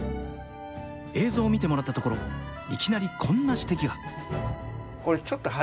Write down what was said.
映像を見てもらったところいきなりこんな指摘が。